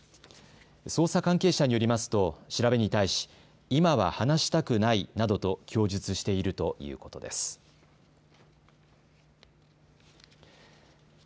捜査関係者によりますと調べに対し今は話したくないなどと供述しているということです。